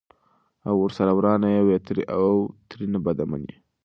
او ورسره ورانه یې وي او ترېنه بده مني!